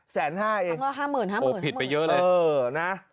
แสนห้าเองห้าหมื่นห้าหมื่นผิดไปเยอะเลยนะ